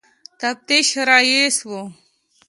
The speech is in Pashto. تفتیش رییس وو.